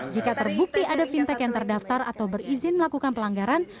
jika terbukti ada fintech yang terdaftar atau berizin melakukan pelanggaran